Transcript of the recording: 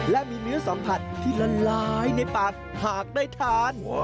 และมีเนื้อสัมผัสที่ละลายในปากหากได้ทาน